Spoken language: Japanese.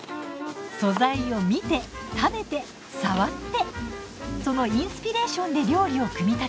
素材を見て食べて触ってそのインスピレーションで料理を組み立てる。